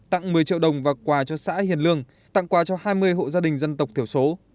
tặng một mươi triệu đồng và quà cho xã hiền lương tặng quà cho hai mươi hộ gia đình dân tộc thiểu số